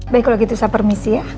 baik kalau gitu saya permisi ya